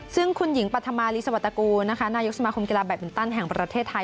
ซึ่งคุณหญิงปัฒนาลีสวัสดิกูนายกสมคมกีฬาแบบเป็นตั้นแห่งประเทศไทย